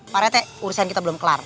pak rete urusan kita belum kelar